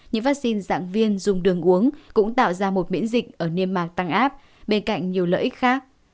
những vaccine dạng viên dùng đường uống cũng tạo ra một miễn dịch ở niêm mạc tăng áp bên cạnh nhiều lợi ích khác